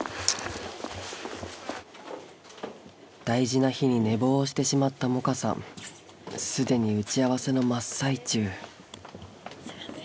大事な日に寝坊をしてしまった百花さん既に打ち合わせの真っ最中。